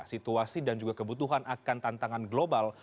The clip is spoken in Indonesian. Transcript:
situasi dan juga kebutuhan akan tantangan global